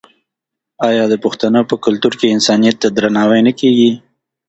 آیا د پښتنو په کلتور کې انسانیت ته درناوی نه کیږي؟